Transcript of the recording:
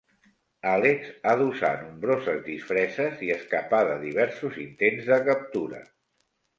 Alex ha d'usar nombroses disfresses i escapar de diversos intents de captura.